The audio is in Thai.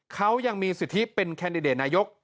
เขายังมีสิทธิเป็นแคนดิเดตนายก